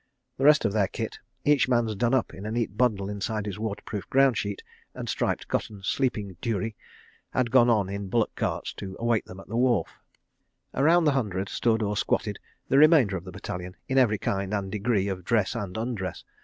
The rest of their kit, each man's done up in a neat bundle inside his waterproof ground sheet and striped cotton sleeping dhurrie, had gone on in bullock carts to await them at the wharf. Around the Hundred stood or squatted the remainder of the battalion, in every kind and degree of dress and undress.